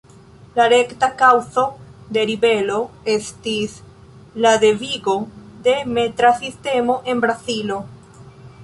La rekta kaŭzo de ribelo estis la devigo de metra sistemo en Brazilo.